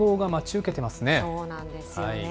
そうなんですよね。